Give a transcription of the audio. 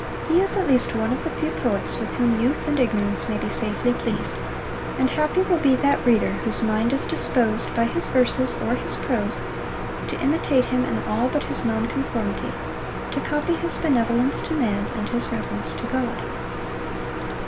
He is at least one of the few poets with whom youth and ignorance may be safely pleased; and happy will be that reader whose mind is disposed by his verses, or his prose, to imitate him in all but his non conformity, to copy his benevolence to man, and his reverence to God.